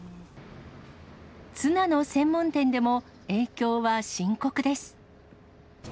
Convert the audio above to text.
ツナの専門店でも、影響は深刻です。